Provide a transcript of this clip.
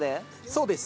そうです。